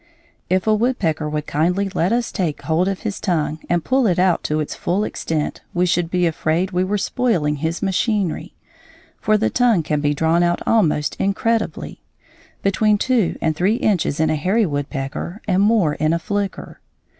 If a woodpecker would kindly let us take hold of his tongue and pull it out to its full extent we should be afraid we were "spoiling his machinery," for the tongue can be drawn out almost incredibly between two and three inches in a hairy woodpecker and more in a flicker.